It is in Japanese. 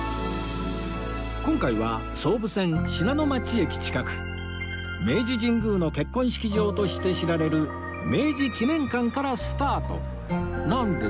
今回は総武線信濃町駅近く明治神宮の結婚式場として知られる明治記念館からスタートなんですが